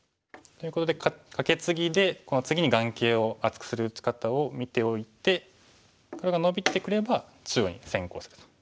ということでカケツギで次に眼形を厚くする打ち方を見ておいて黒がノビてくれば中央に先行すると。